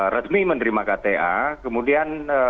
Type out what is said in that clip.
resmi menerima kta kemudian